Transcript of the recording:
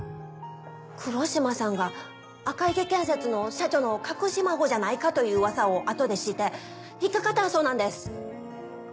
黒島さんが赤池建設の社長の隠し孫じゃないかという噂を後で知って引っ掛かったそうなんです。